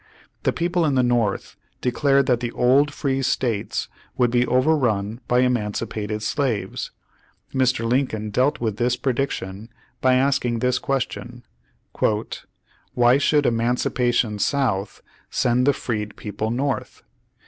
The people in the North declared that the old free states would be overrun by emancipated slaves. Mr. Lincoln dealt with this prediction by asking this question : "Why should emancipation South send the freed people North?